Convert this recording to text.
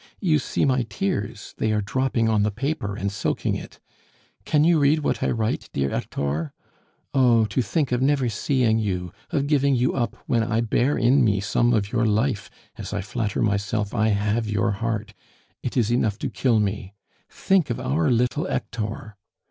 You see my tears; they are dropping on the paper and soaking it; can you read what I write, dear Hector? Oh, to think of never seeing you, of giving you up when I bear in me some of your life, as I flatter myself I have your heart it is enough to kill me. Think of our little Hector!